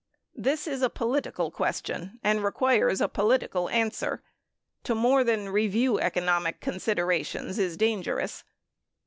This is a political question and requires a political answer. To more than review economic considerations is dangerous.